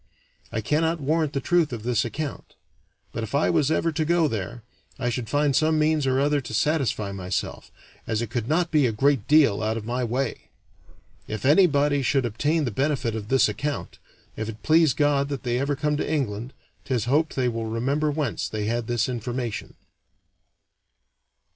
I cannot warrant the truth of this account; but if I was ever to go there, I should find some means or other to satisfy myself, as it could not be a great deal out of my way. If anybody should obtain the benefit of this account, if it please God that they ever come to England, 'tis hoped they will remember whence they had this information."